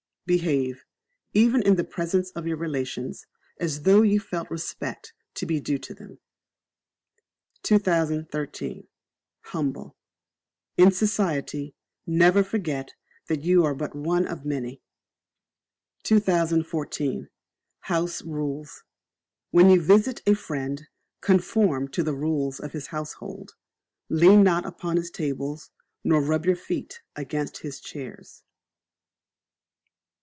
Behave, even in the presence of your relations, as though you felt respect to be due to them. 2013. Humble. In Society never forget that you are but one of many. 2014. House Rules. When you Visit a Friend, conform to the rules of his household; lean not upon his tables, nor rub your feet against his chairs.